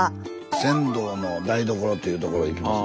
船頭の台所というところへ行きます。